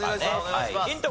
ヒント